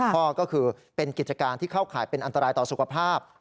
ข้อก็คือเป็นกิจการที่เข้าข่ายเป็นอันตรายต่อสุขภาพ